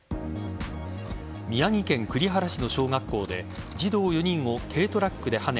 宮城県栗原市の小学校で児童４人を軽トラックではね